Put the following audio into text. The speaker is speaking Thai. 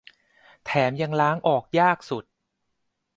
แถมยังล้างออกยากสุด